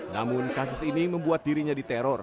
namun kasus ini membuat dirinya diteror